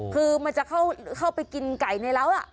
คือมันจะเข้าไปกินไก่ในร้าว